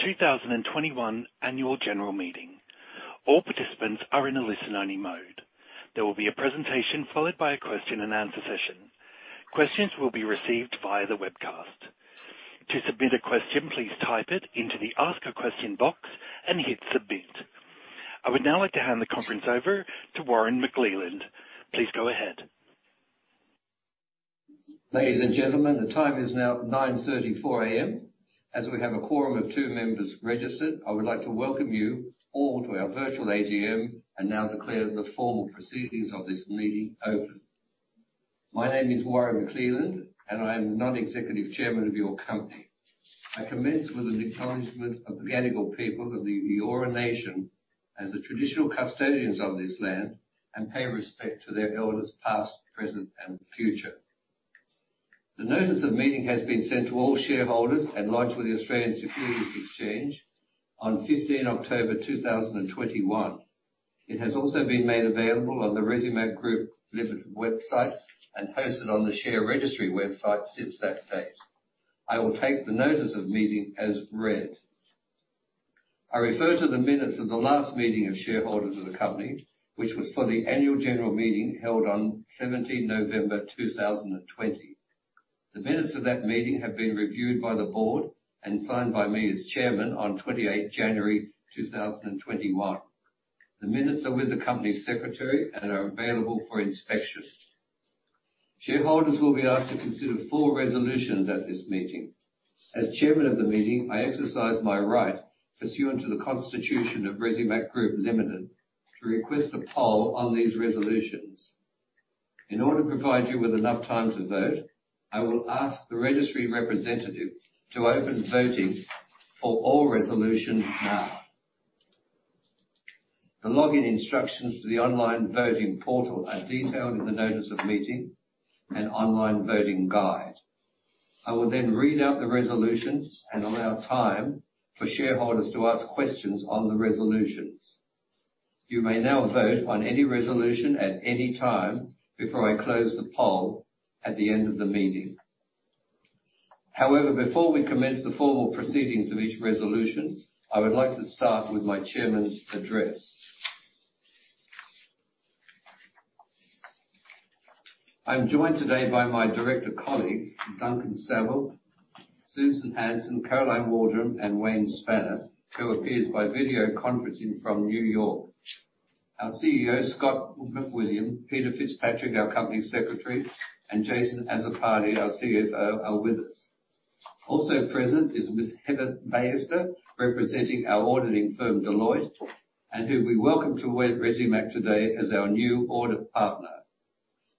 2021 Annual General Meeting. All participants are in a listen-only mode. There will be a presentation followed by a question and answer session. Questions will be received via the webcast. To submit a question, please type it into the Ask a Question box and hit Submit. I would now like to hand the conference over to Warren McLeland. Please go ahead. Ladies and gentlemen, the time is now 9:34 A.M. As we have a quorum of two members registered, I would like to welcome you all to our virtual AGM and now declare the formal proceedings of this meeting open. My name is Warren McLeland, and I am the Non-Executive Chairman of your company. I commence with an acknowledgement of the Gadigal peoples of the Eora Nation as the traditional custodians of this land and pay respect to their elders past, present, and future. The notice of meeting has been sent to all shareholders and lodged with the Australian Securities Exchange on fifteen October two thousand and twenty-one. It has also been made available on the Resimac Group Limited website and posted on the share registry website since that date. I will take the notice of meeting as read. I refer to the minutes of the last meeting of shareholders of the company, which was for the annual general meeting held on 17 November 2020. The minutes of that meeting have been reviewed by the board and signed by me as chairman on 28 January 2021. The minutes are with the company secretary and are available for inspection. Shareholders will be asked to consider four resolutions at this meeting. As chairman of the meeting, I exercise my right pursuant to the constitution of Resimac Group Limited to request a poll on these resolutions. In order to provide you with enough time to vote, I will ask the registry representative to open voting for all resolutions now. The login instructions to the online voting portal are detailed in the notice of meeting and online voting guide. I will then read out the resolutions and allow time for shareholders to ask questions on the resolutions. You may now vote on any resolution at any time before I close the poll at the end of the meeting. However, before we commence the formal proceedings of each resolution, I would like to start with my chairman's address. I'm joined today by my director colleagues, Duncan Saville, Susan Hansen, Caroline Waldron, and Wayne Spanner, who appears by video conferencing from New York. Our CEO, Scott McWilliam, Peter Fitzpatrick, our company secretary, and Jason Azzopardi, our CFO, are with us. Also present is Ms. Heather Masterman, representing our auditing firm, Deloitte, and who we welcome to Resimac today as our new audit partner.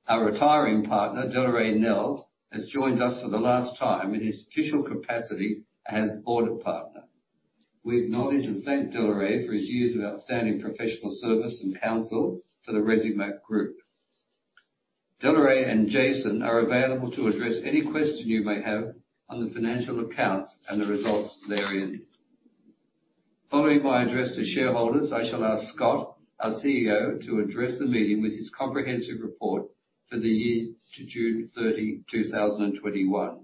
Our retiring partner, Deloré Nel, has joined us for the last time in his official capacity as audit partner. We acknowledge and thank Deloré for his years of outstanding professional service and counsel to the Resimac Group. Deloré and Jason are available to address any question you may have on the financial accounts and the results therein. Following my address to shareholders, I shall ask Scott, our CEO, to address the meeting with his comprehensive report for the year to June 30, 2021.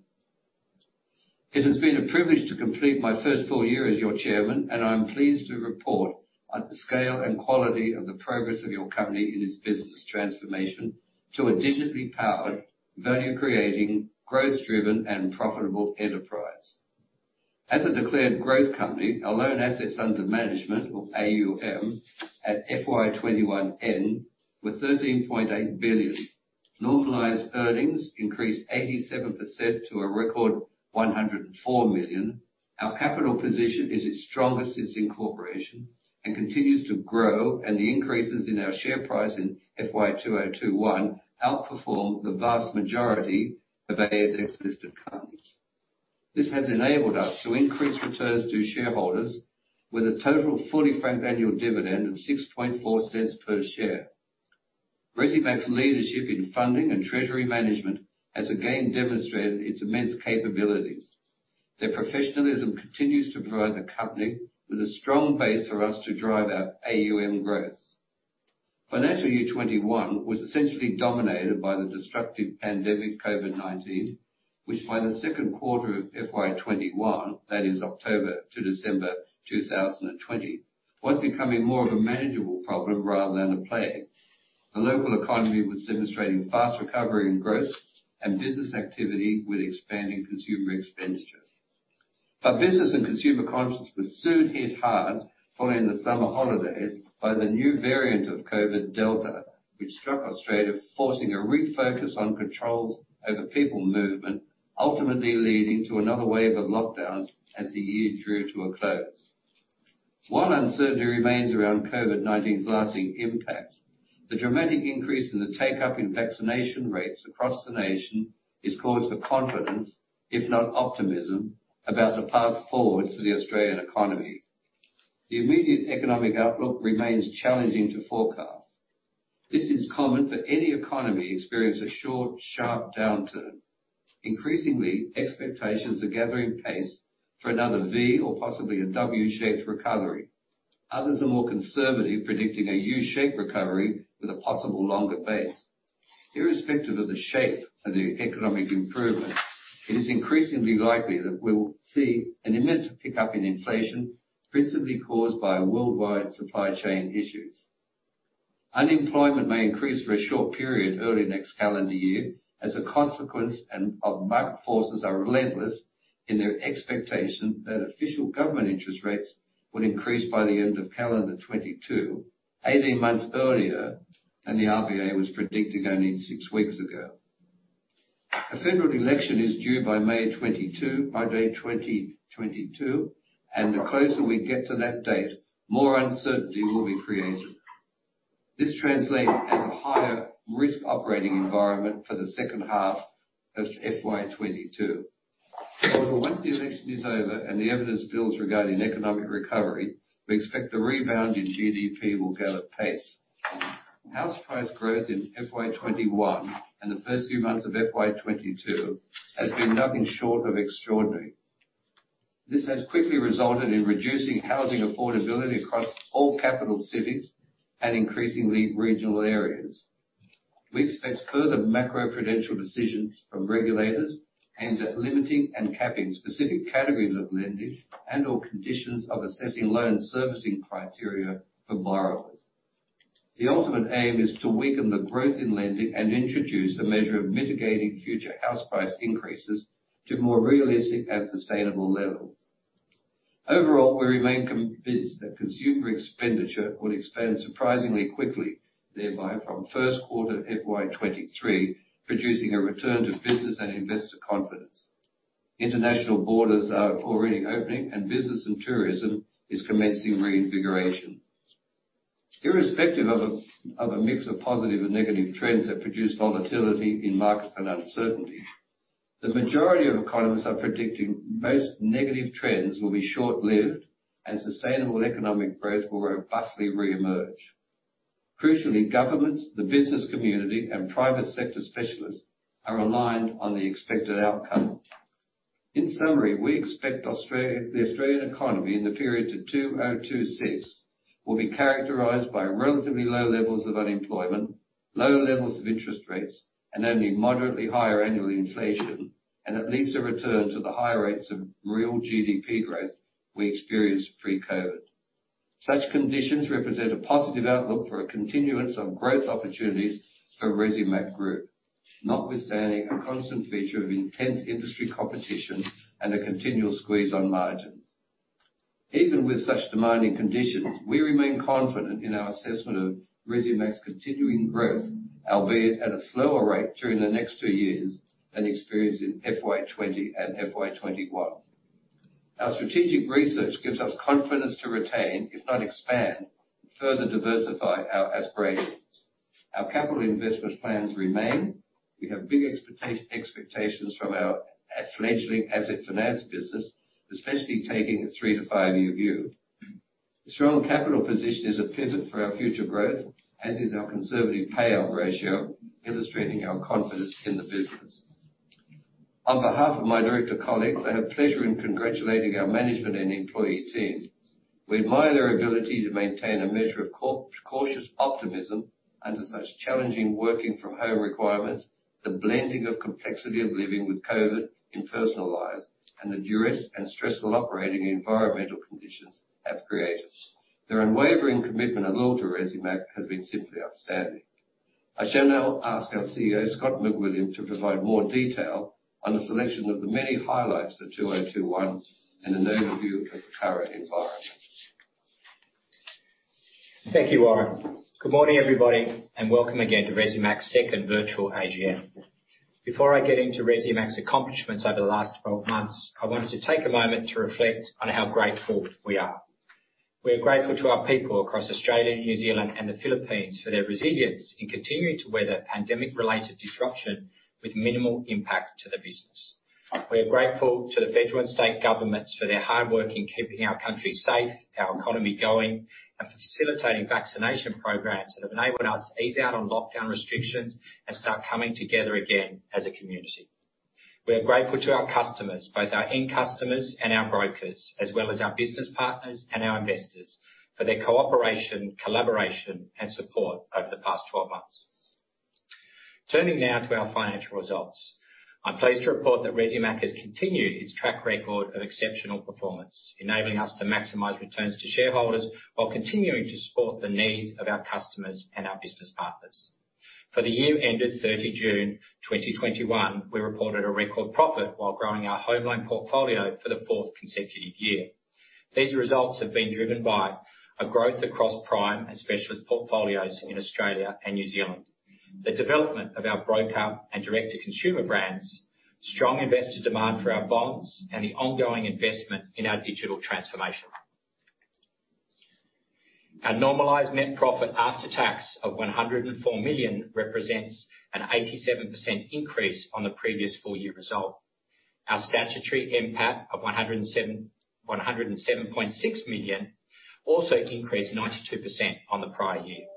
It has been a privilege to complete my first full year as your Chairman, and I am pleased to report on the scale and quality of the progress of your company in its business transformation to a digitally powered, value-creating, growth-driven, and profitable enterprise. As a declared growth company, our loan assets under management, or AUM, at FY 2021 end were 13.8 billion. Normalized earnings increased 87% to a record 104 million. Our capital position is its strongest since incorporation and continues to grow, and the increases in our share price in FY 2021 outperformed the vast majority of ASX-listed companies. This has enabled us to increase returns to shareholders with a total fully franked annual dividend of 0.064 per share. Resimac's leadership in funding and treasury management has again demonstrated its immense capabilities. Their professionalism continues to provide the company with a strong base for us to drive our AUM growth. Financial year 2021 was essentially dominated by the destructive pandemic, COVID-19, which by the second quarter of FY 2021, that is October to December 2020, was becoming more of a manageable problem rather than a plague. The local economy was demonstrating fast recovery and growth, and business activity with expanding consumer expenditure. Business and consumer confidence was soon hit hard following the summer holidays by the new variant of COVID-19, Delta, which struck Australia, forcing a refocus on controls over people movement, ultimately leading to another wave of lockdowns as the year drew to a close. While uncertainty remains around COVID-19's lasting impact, the dramatic increase in the take-up in vaccination rates across the nation is cause for confidence, if not optimism, about the path forward for the Australian economy. The immediate economic outlook remains challenging to forecast. This is common for any economy experiencing a short, sharp downturn. Increasingly, expectations are gathering pace for another V or possibly a W-shaped recovery. Others are more conservative, predicting a U-shaped recovery with a possible longer base. Irrespective of the shape of the economic improvement, it is increasingly likely that we will see an immense pickup in inflation, principally caused by worldwide supply chain issues. Unemployment may increase for a short period early next calendar year as a consequence, and market forces are relentless in their expectation that official government interest rates will increase by the end of calendar 2022, 18 months earlier than the RBA was predicting only 6 weeks ago. A federal election is due by May 2022, and the closer we get to that date, more uncertainty will be created. This translates as a higher risk operating environment for the second half of FY 2022. However, once the election is over and the evidence builds regarding economic recovery, we expect the rebound in GDP will go apace. House price growth in FY 2021 and the first few months of FY 2022 has been nothing short of extraordinary. This has quickly resulted in reducing housing affordability across all capital cities and increasingly regional areas. We expect further macroprudential decisions from regulators aimed at limiting and capping specific categories of lending and/or conditions of assessing loan servicing criteria for borrowers. The ultimate aim is to weaken the growth in lending and introduce a measure of mitigating future house price increases to more realistic and sustainable levels. Overall, we remain convinced that consumer expenditure will expand surprisingly quickly, thereby, from first quarter FY 2023, producing a return to business and investor confidence. International borders are already opening and business and tourism is commencing reinvigoration. Irrespective of a mix of positive and negative trends that produce volatility in markets and uncertainty, the majority of economists are predicting most negative trends will be short-lived and sustainable economic growth will robustly re-emerge. Crucially, governments, the business community, and private sector specialists are aligned on the expected outcome. In summary, we expect the Australian economy in the period to 2026 will be characterized by relatively low levels of unemployment, low levels of interest rates, and only moderately higher annual inflation, and at least a return to the higher rates of real GDP growth we experienced pre-COVID. Such conditions represent a positive outlook for a continuance of growth opportunities for Resimac Group, notwithstanding a constant feature of intense industry competition and a continual squeeze on margins. Even with such demanding conditions, we remain confident in our assessment of Resimac's continuing growth, albeit at a slower rate during the next two years than experienced in FY 2020 and FY 2021. Our strategic research gives us confidence to retain, if not expand, further diversify our aspirations. Our capital investment plans remain. We have big expectations from our fledgling asset finance business, especially taking a three-to-five-year view. Strong capital position is a pivot for our future growth, as is our conservative payout ratio, illustrating our confidence in the business. On behalf of my director colleagues, I have pleasure in congratulating our management and employee teams. We admire their ability to maintain a measure of cautious optimism under such challenging working from home requirements, the blending of complexity of living with COVID in personal lives, and the duress and stressful operating environmental conditions have created. Their unwavering commitment and loyalty to Resimac has been simply outstanding. I shall now ask our CEO, Scott McWilliam, to provide more detail on a selection of the many highlights for 2021 and an overview of the current environment. Thank you, Warren. Good morning, everybody, and welcome again to Resimac's second virtual AGM. Before I get into Resimac's accomplishments over the last 12 months, I wanted to take a moment to reflect on how grateful we are. We are grateful to our people across Australia, New Zealand, and the Philippines for their resilience in continuing to weather pandemic-related disruption with minimal impact to the business. We are grateful to the federal and state governments for their hard work in keeping our country safe, our economy going, and for facilitating vaccination programs that have enabled us to ease out on lockdown restrictions and start coming together again as a community. We are grateful to our customers, both our end customers and our brokers, as well as our business partners and our investors for their cooperation, collaboration, and support over the past 12 months. Turning now to our financial results. I'm pleased to report that Resimac has continued its track record of exceptional performance, enabling us to maximize returns to shareholders while continuing to support the needs of our customers and our business partners. For the year ended 30 June 2021, we reported a record profit while growing our home loan portfolio for the fourth consecutive year. These results have been driven by a growth across prime and specialist portfolios in Australia and New Zealand, the development of our broker and direct-to-consumer brands, strong investor demand for our bonds, and the ongoing investment in our digital transformation. Our normalized net profit after tax of 104 million represents an 87% increase on the previous full year result. Our statutory NPAT of 107.6 million also increased 92% on the prior year.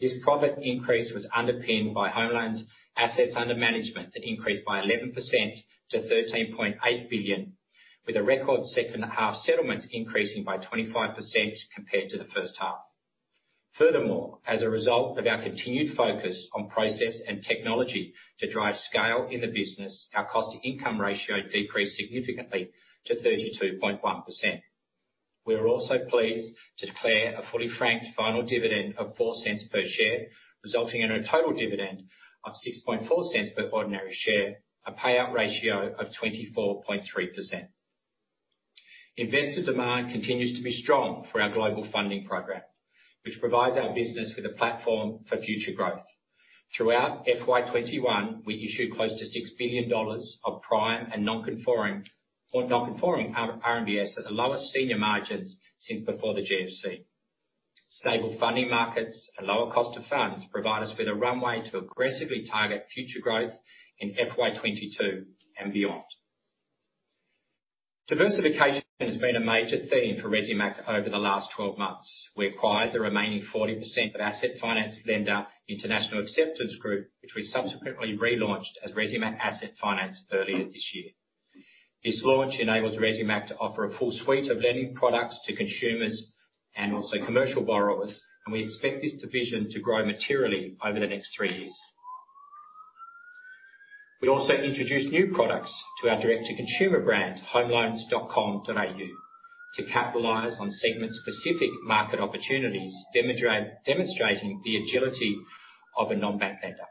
This profit increase was underpinned by home loans. Assets under management had increased by 11% to 13.8 billion, with a record second half settlements increasing by 25% compared to the first half. Furthermore, as a result of our continued focus on process and technology to drive scale in the business, our cost to income ratio decreased significantly to 32.1%. We are also pleased to declare a fully franked final dividend of 0.04 per share, resulting in a total dividend of 0.064 per ordinary share, a payout ratio of 24.3%. Investor demand continues to be strong for our global funding program, which provides our business with a platform for future growth. Throughout FY 2021, we issued close to 6 billion dollars of prime and non-conforming RMBS at the lowest senior margins since before the GFC. Stable funding markets and lower cost of funds provide us with a runway to aggressively target future growth in FY 2022 and beyond. Diversification has been a major theme for Resimac over the last 12 months. We acquired the remaining 40% of asset finance lender, International Acceptance Group, which we subsequently relaunched as Resimac Asset Finance earlier this year. This launch enables Resimac to offer a full suite of lending products to consumers and also commercial borrowers, and we expect this division to grow materially over the next 3 years. We also introduced new products to our direct to consumer brand, homeloans.com.au, to capitalize on segment-specific market opportunities, demonstrating the agility of a non-bank lender.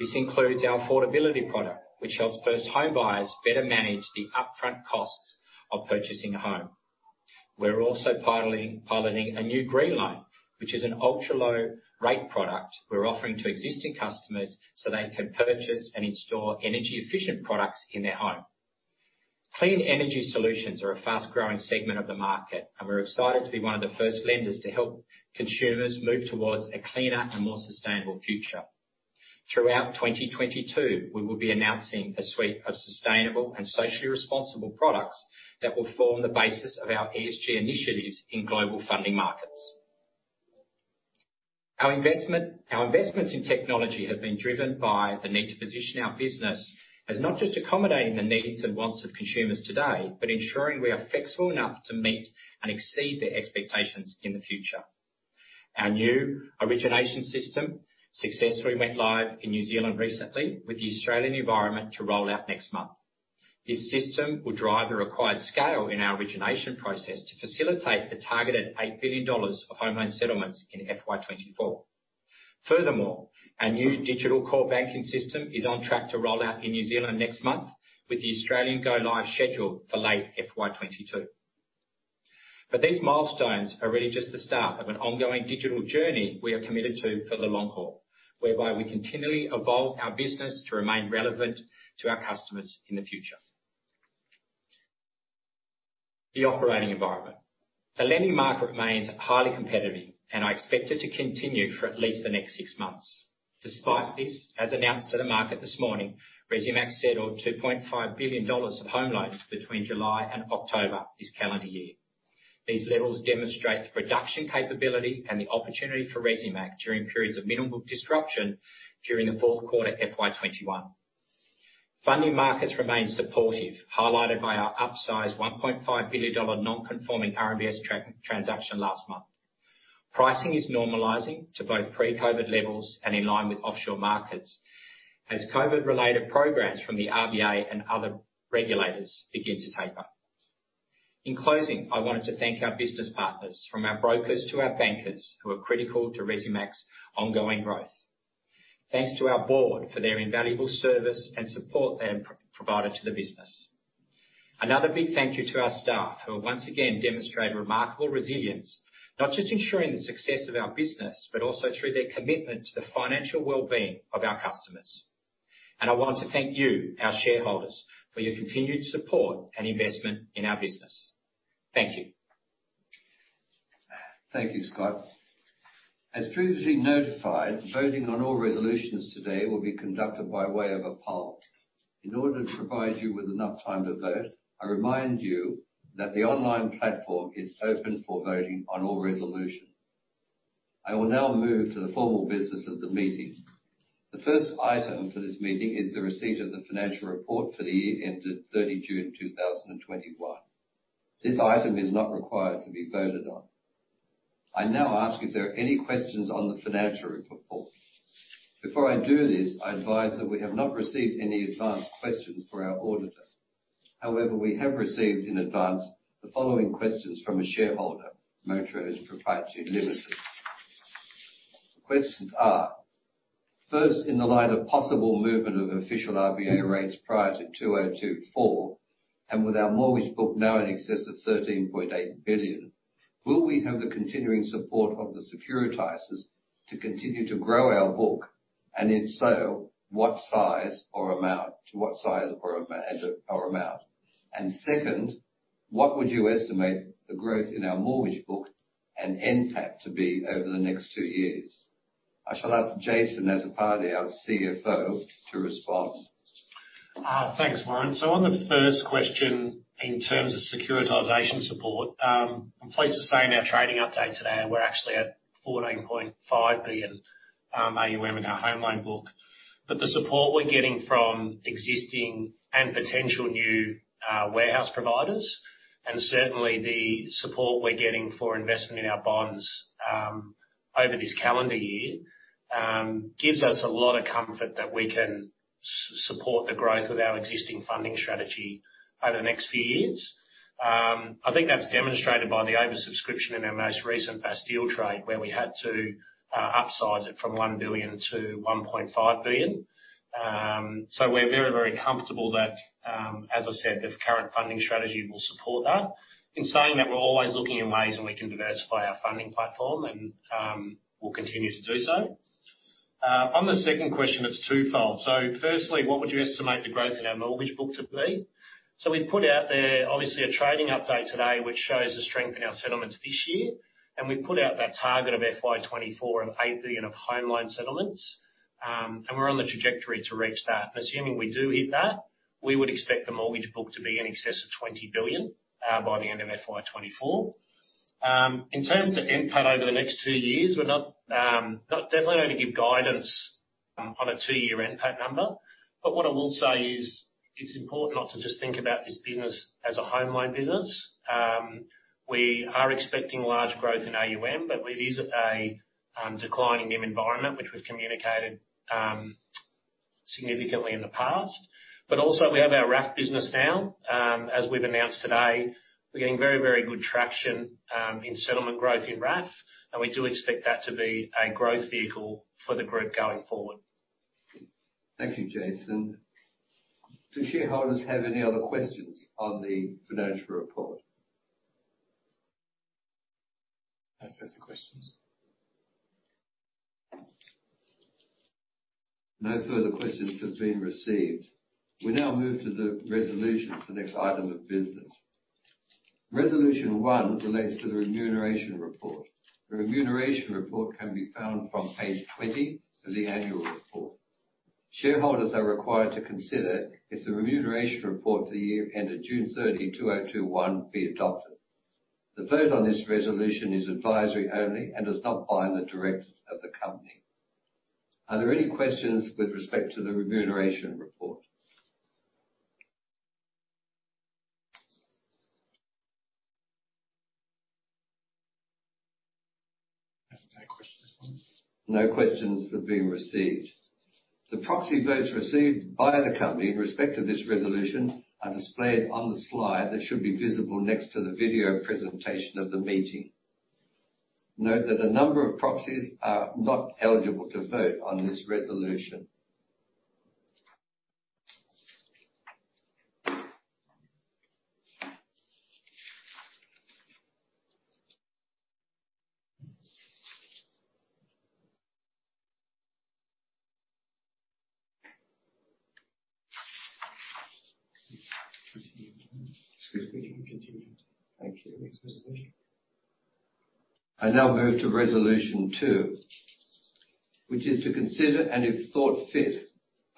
This includes our affordability product, which helps first home buyers better manage the upfront costs of purchasing a home. We're also piloting a new green loan, which is an ultra-low rate product we're offering to existing customers so they can purchase and install energy efficient products in their home. Clean energy solutions are a fast-growing segment of the market, and we're excited to be one of the first lenders to help consumers move towards a cleaner and more sustainable future. Throughout 2022, we will be announcing a suite of sustainable and socially responsible products that will form the basis of our ESG initiatives in global funding markets. Our investments in technology have been driven by the need to position our business as not just accommodating the needs and wants of consumers today, but ensuring we are flexible enough to meet and exceed their expectations in the future. Our new origination system successfully went live in New Zealand recently, with the Australian environment to roll out next month. This system will drive the required scale in our origination process to facilitate the targeted 8 billion dollars of home loan settlements in FY 2024. Furthermore, our new digital core banking system is on track to roll out in New Zealand next month, with the Australian go live scheduled for late FY 2022. These milestones are really just the start of an ongoing digital journey we are committed to for the long haul, whereby we continually evolve our business to remain relevant to our customers in the future. The operating environment. The lending market remains highly competitive and is expected to continue for at least the next 6 months. Despite this, as announced to the market this morning, Resimac settled 2.5 billion dollars of home loans between July and October this calendar year. These levels demonstrate the production capability and the opportunity for Resimac during periods of minimal disruption during the fourth quarter, FY 2021. Funding markets remain supportive, highlighted by our upsized 1.5 billion dollar non-conforming RMBS transaction last month. Pricing is normalizing to both pre-COVID levels and in line with offshore markets as COVID related programs from the RBA and other regulators begin to taper. In closing, I wanted to thank our business partners, from our brokers to our bankers, who are critical to Resimac's ongoing growth. Thanks to our board for their invaluable service and support they have provided to the business. Another big thank you to our staff, who have once again demonstrated remarkable resilience, not just ensuring the success of our business, but also through their commitment to the financial wellbeing of our customers. I want to thank you, our shareholders, for your continued support and investment in our business. Thank you. Thank you, Scott. As previously notified, voting on all resolutions today will be conducted by way of a poll. In order to provide you with enough time to vote, I remind you that the online platform is open for voting on all resolutions. I will now move to the formal business of the meeting. The first item for this meeting is the receipt of the financial report for the year ended 30 June 2021. This item is not required to be voted on. I now ask if there are any questions on the financial report. Before I do this, I advise that we have not received any advance questions for our auditor. However, we have received in advance the following questions from a shareholder, Metro Proprietary Limited. The questions are: First, in the light of possible movement of official RBA rates prior to 2024, and with our mortgage book now in excess of 13.8 billion, will we have the continuing support of the securitizers to continue to grow our book? And if so, to what size or amount? And second, what would you estimate the growth in our mortgage book and NPAT to be over the next two years? I shall ask Jason Azzopardi, our CFO, to respond. Thanks, Warren. On the first question, in terms of securitization support, I'm pleased to say in our trading update today, we're actually at 14.5 billion AUM in our home loan book. The support we're getting from existing and potential new warehouse providers, and certainly the support we're getting for investment in our bonds over this calendar year gives us a lot of comfort that we can support the growth of our existing funding strategy over the next few years. I think that's demonstrated by the oversubscription in our most recent Bastille trade where we had to upsize it from 1 billion to 1.5 billion. We're very, very comfortable that, as I said, the current funding strategy will support that. In saying that, we're always looking at ways in which we can diversify our funding platform and, we'll continue to do so. On the second question, it's twofold. Firstly, what would you estimate the growth in our mortgage book to be? We put out there, obviously, a trading update today which shows the strength in our settlements this year, and we put out that target of FY 2024 of 8 billion of home loan settlements. We're on the trajectory to reach that. Assuming we do hit that, we would expect the mortgage book to be in excess of 20 billion by the end of FY 2024. In terms of NPAT over the next two years, we're not definitely only give guidance on a two-year NPAT number. What I will say is, it's important not to just think about this business as a home loan business. We are expecting large growth in AUM, but it is a declining NIM environment, which we've communicated significantly in the past. Also, we have our RAF business now. As we've announced today, we're getting very, very good traction in settlement growth in RAF, and we do expect that to be a growth vehicle for the group going forward. Thank you, Jason. Do shareholders have any other questions on the financial report? No further questions. No further questions have been received. We now move to the resolutions, the next item of business. Resolution one relates to the remuneration report. The remuneration report can be found from page 20 of the annual report. Shareholders are required to consider if the remuneration report for the year ended June 30, 2021 be adopted. The vote on this resolution is advisory only and does not bind the directors of the company. Are there any questions with respect to the remuneration report? No further questions. No questions have been received. The proxy votes received by the company in respect to this resolution are displayed on the slide that should be visible next to the video presentation of the meeting. Note that a number of proxies are not eligible to vote on this resolution. Proceed. Excuse me. Meeting continued. Thank you. Next resolution. I now move to resolution two, which is to consider, and if thought fit,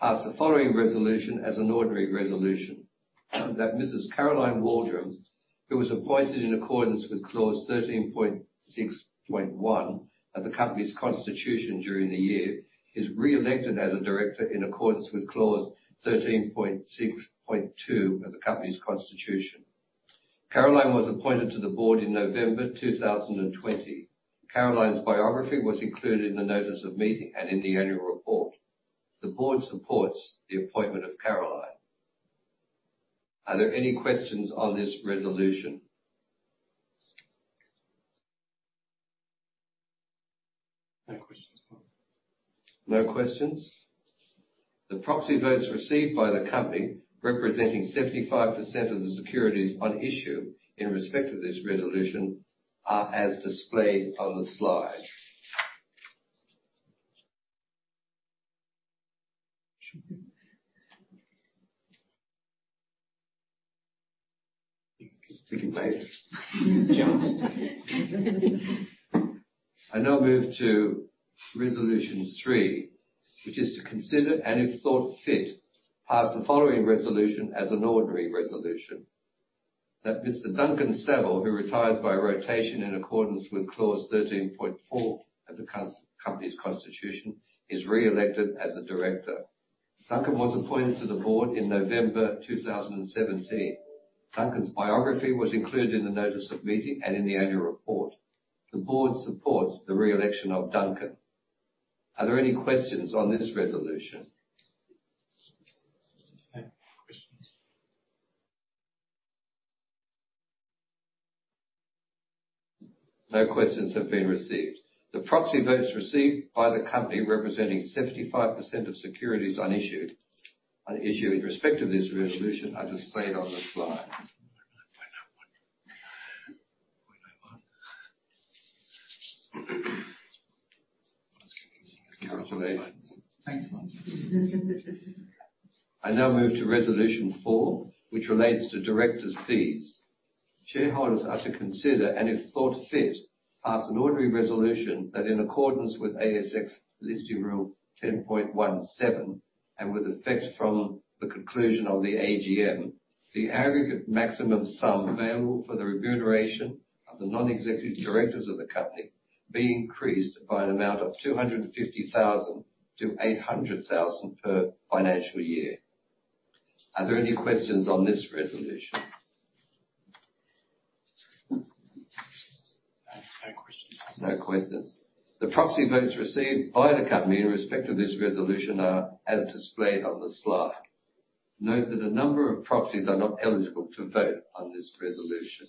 pass the following resolution as an ordinary resolution, that Mrs. Caroline Waldron, who was appointed in accordance with clause 13.6.1 of the company's constitution during the year, is reelected as a director in accordance with clause 13.6.2 of the company's constitution. Caroline was appointed to the board in November 2020. Caroline's biography was included in the notice of meeting and in the annual report. The board supports the appointment of Caroline. Are there any questions on this resolution? No questions. No questions. The proxy votes received by the company representing 75% of the securities on issue in respect to this resolution are as displayed on the slide. Should we- I now move to resolution three, which is to consider, and if thought fit, pass the following resolution as an ordinary resolution. That Mr. Duncan Saville, who retires by rotation in accordance with clause 13.4 of the company's constitution, is reelected as a director. Duncan was appointed to the board in November 2017. Duncan's biography was included in the notice of meeting and in the annual report. The board supports the reelection of Duncan. Are there any questions on this resolution? No questions. No questions have been received. The proxy votes received by the company representing 75% of securities on issue in respect to this resolution are displayed on the slide. Point on one. Point on one. Congratulations. Thank you. I now move to resolution four, which relates to directors' fees. Shareholders are to consider, and if thought fit, pass an ordinary resolution that in accordance with ASX Listing Rule 10.17, and with effect from the conclusion of the AGM, the aggregate maximum sum available for the remuneration of the non-executive directors of the company be increased by an amount of 250,000 to 800,000 per financial year. Are there any questions on this resolution? No questions. No questions. The proxy votes received by the company in respect to this resolution are as displayed on the slide. Note that a number of proxies are not eligible to vote on this resolution.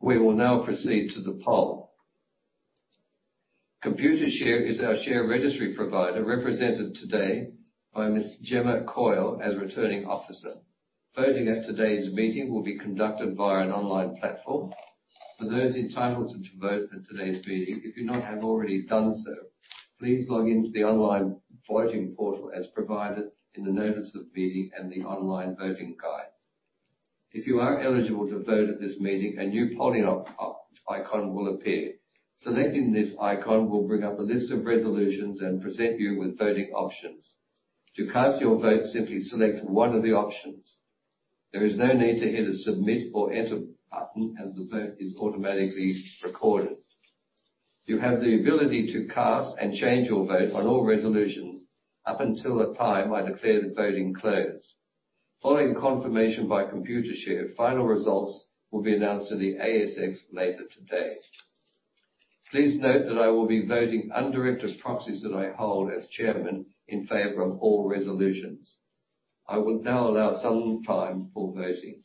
We will now proceed to the poll. Computershare is our share registry provider, represented today by Miss Gemma Coyle as Returning Officer. Voting at today's meeting will be conducted via an online platform. For those entitled to vote at today's meeting, if you have not already done so, please log in to the online voting portal as provided in the notice of meeting and the online voting guide. If you are eligible to vote at this meeting, a new polling option icon will appear. Selecting this icon will bring up a list of resolutions and present you with voting options. To cast your vote, simply select one of the options. There is no need to hit a Submit or Enter button as the vote is automatically recorded. You have the ability to cast and change your vote on all resolutions up until the time I declare the voting closed. Following confirmation by Computershare, final results will be announced to the ASX later today. Please note that I will be voting on directors' proxies that I hold as chairman in favor of all resolutions. I will now allow some time for voting.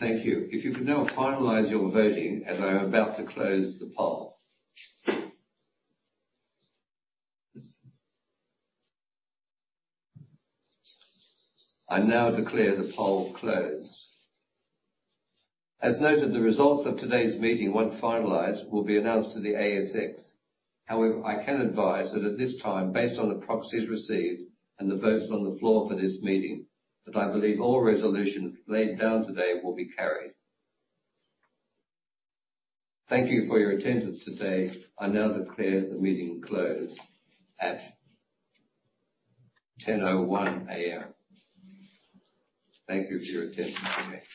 Thank you. If you could now finalize your voting, as I am about to close the poll. I now declare the poll closed. As noted, the results of today's meeting, once finalized, will be announced to the ASX. However, I can advise that at this time, based on the proxies received and the votes on the floor for this meeting, that I believe all resolutions laid down today will be carried. Thank you for your attendance today. I now declare the meeting closed at 10:01 A.M. Thank you for your attention today.